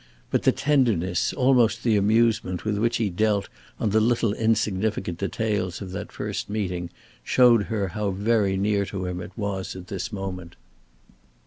But the tenderness, almost the amusement with which he dwelt on the little insignificant details of that first meeting showed her how very near to him it was at this moment.